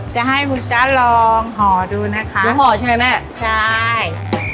จะให้คุณจ๊ะลองห่อดูนะคะห่อใช่ไหมน่ะใช่